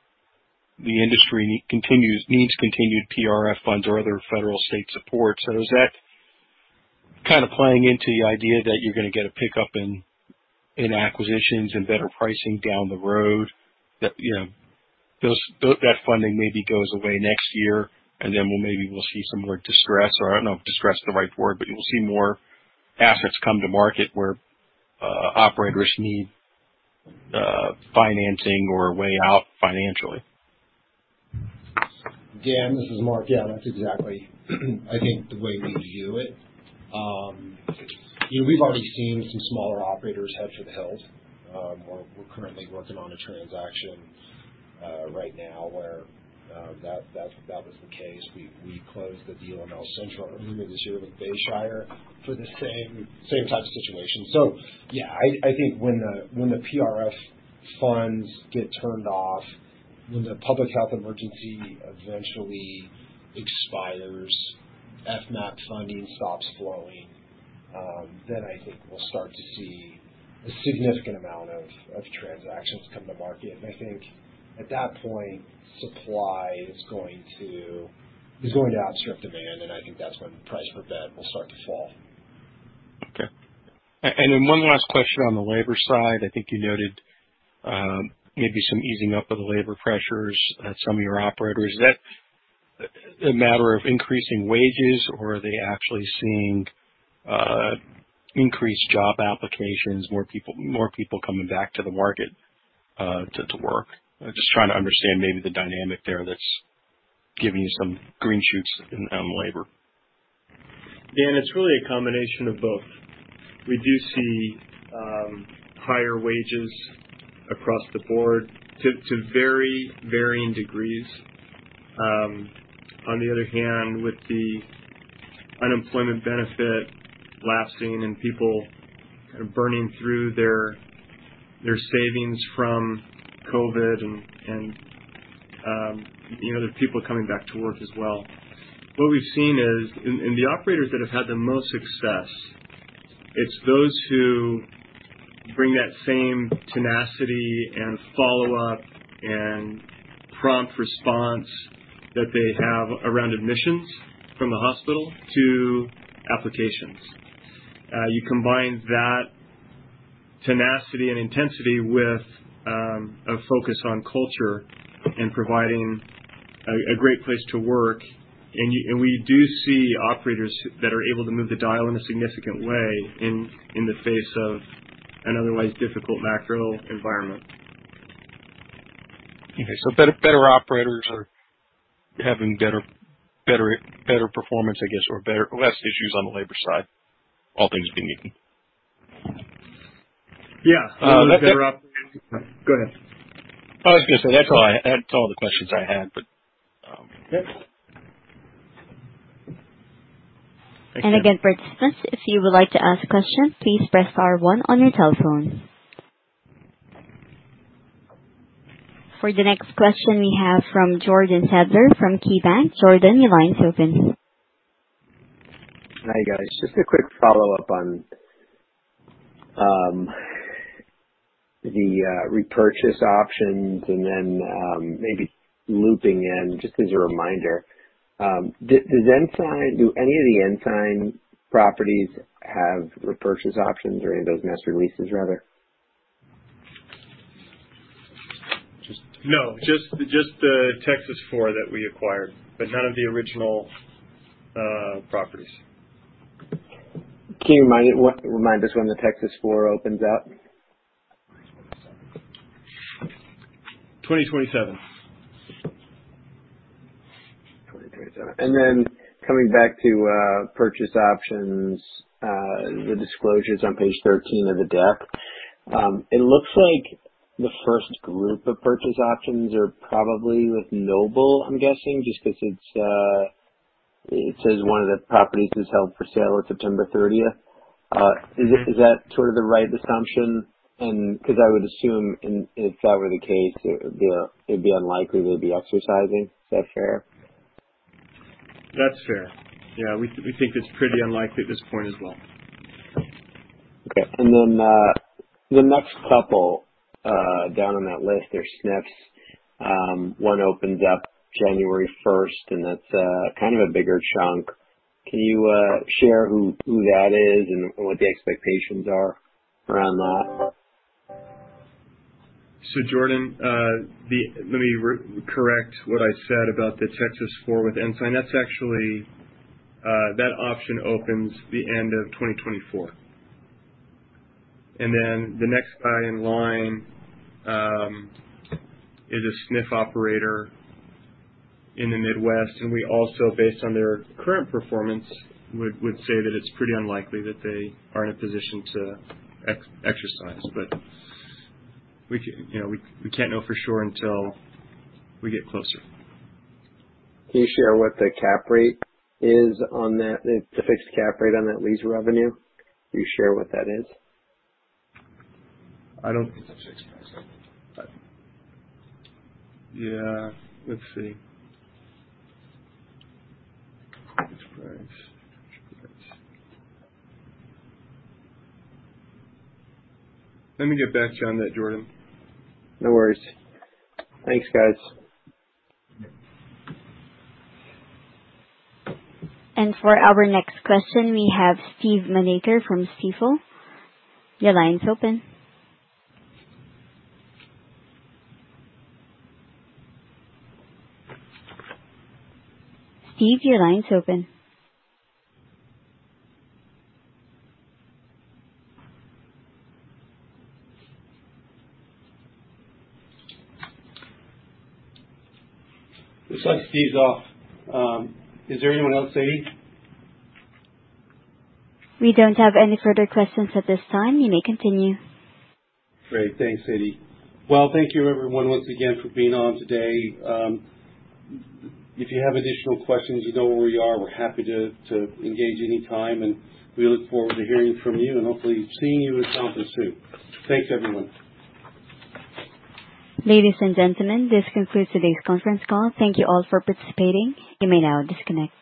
the industry continues to need continued PRF funds or other federal and state support. Is that kinda playing into the idea that you're gonna get a pickup in acquisitions and better pricing down the road that, you know, that funding maybe goes away next year, and then maybe we'll see some more distress, or I don't know if distress is the right word, but you'll see more assets come to market where operators need financing or a way out financially. Dan, this is Mark. Yeah, that's exactly, I think the way we view it. You know, we've already seen some smaller operators hedge with Hillstone. We're currently working on a transaction Right now, that was the case. We closed the deal on El Centro earlier this year with Bayshire for the same type of situation. Yeah, I think when the PRF funds get turned off, when the public health emergency eventually expires, FMAP funding stops flowing, then I think we'll start to see a significant amount of transactions come to market. I think at that point, supply is going to outstrip demand, and I think that's when price per bed will start to fall. Okay. One last question on the labor side. I think you noted, maybe some easing up of the labor pressures at some of your operators. Is that a matter of increasing wages or are they actually seeing increased job applications, more people coming back to the market to work? I'm just trying to understand maybe the dynamic there that's giving you some green shoots on labor. Dan, it's really a combination of both. We do see higher wages across the board to very varying degrees. On the other hand, with the unemployment benefit lasting and people kind of burning through their savings from COVID and you know, there are people coming back to work as well. What we've seen is in the operators that have had the most success, it's those who bring that same tenacity and follow-up and prompt response that they have around admissions from the hospital to applications. You combine that tenacity and intensity with a focus on culture and providing a great place to work and we do see operators that are able to move the dial in a significant way in the face of an otherwise difficult macro environment. Okay. Better operators are having better performance, I guess, or better less issues on the labor side, all things being equal? Yeah. Are the better op- Go ahead. I was gonna say that's all the questions I had, but. Okay. Again, participants, if you would like to ask a question, please press star one on your telephone. For the next question we have from Jordan Sadler from KeyBanc. Jordan, your line's open. Hi, guys. Just a quick follow-up on the repurchase options and then maybe looping in just as a reminder. Does Ensign do any of the Ensign properties have repurchase options or any of those net leases rather? No, just the Texas 4 that we acquired, but none of the original properties. Can you remind us when the Texas four opens up? 2027. 2027. Coming back to purchase options, the disclosures on page 13 of the deck. It looks like the first group of purchase options are probably with Noble, I'm guessing, just 'cause it's. It says one of the properties is held for sale at September 30. Is that sort of the right assumption? Because I would assume if that were the case, it'd be unlikely they'd be exercising. Is that fair? That's fair. Yeah, we think it's pretty unlikely at this point as well. Okay. Then the next couple down on that list are SNFs. One opens up January first, and that's kind of a bigger chunk. Can you share who that is and what the expectations are around that? Jordan, let me correct what I said about the Texas four with Ensign. That's actually that option opens at the end of 2024. Then the next guy in line is a SNF operator in the Midwest. We also, based on their current performance, would say that it's pretty unlikely that they are in a position to exercise. You know, we can't know for sure until we get closer. Can you share what the cap rate is on that, the fixed cap rate on that lease revenue? Can you share what that is? I don't. It's at 6.7. Yeah. Let's see. Let me get back to you on that, Jordan. No worries. Thanks, guys. For our next question, we have Stephen Manaker from Stifel. Your line's open. Steve, your line's open. Looks like Steve's off. Is there anyone else, Sadie? We don't have any further questions at this time. You may continue. Great. Thanks, Sadie. Well, thank you everyone once again for being on today. If you have additional questions, you know where we are. We're happy to engage any time, and we look forward to hearing from you and hopefully seeing you at conference soon. Thanks, everyone. Ladies and gentlemen, this concludes today's Conference Call. Thank you all for participating. You may now disconnect.